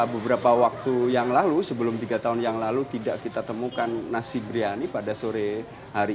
beberapa waktu yang lalu sebelum tiga tahun yang lalu tidak kita temukan nasi briani pada sore hari